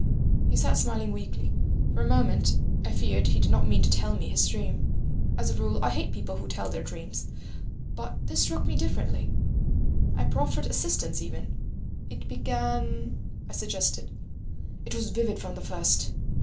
He sat smiling weakly. For a moment I feared he did not mean to tell me his dream. As a rule I hate people who tell their dreams, but this struck me differently. I proffered assistance even. "It began—" I suggested. "It was vivid from the first.